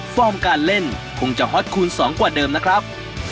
การเล่นคงจะฮอตคูณสองกว่าเดิมนะครับ